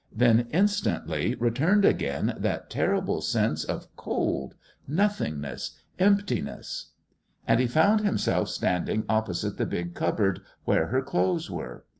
Then, instantly, returned again that terrible sense of cold, nothingness, emptiness.... And he found himself standing opposite the big cupboard where her clothes were.